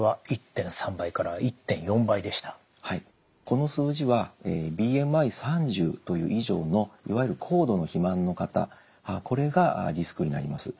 この数字はＢＭＩ３０以上のいわゆる高度の肥満の方これがリスクになります。